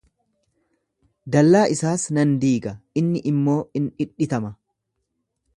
Dallaa isaas nan diiga inni immoo in dhidhitama.